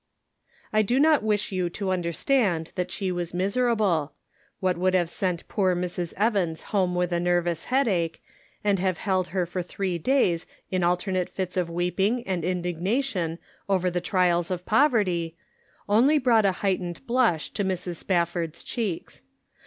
I do not wish you to understand that she was miserable; what would have sent poor Mrs. Evans home with a nervous headache, and have held her for three days in alternate fits of weeping and indignation over the trials of poverty, only brought a heightened blush to Mrs. Spafford's cheeks.